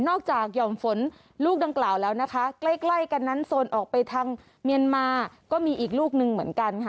จากหย่อมฝนลูกดังกล่าวแล้วนะคะใกล้ใกล้กันนั้นโซนออกไปทางเมียนมาก็มีอีกลูกหนึ่งเหมือนกันค่ะ